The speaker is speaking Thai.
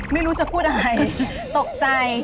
ไม่รู้จะพูดอะไรตกใจ